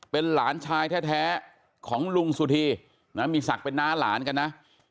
เป็นหลานชายแท้ของลุงสุธีนะมีศักดิ์เป็นน้าหลานกันนะ